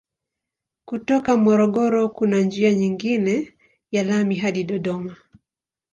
Kutoka Morogoro kuna njia nyingine ya lami hadi Dodoma.